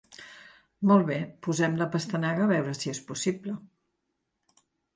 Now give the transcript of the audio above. Molt bé, posem la pastanaga, a veure si és possible.